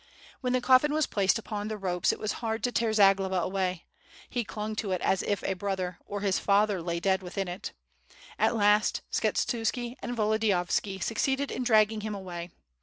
When the coffin was placed upon the ropes it was hard to tear Zagloba away, he clung to it as if a brother, or his father, lay dead within it. At last Skshetuski and Volodiyovski suc ceeded in dragging him away.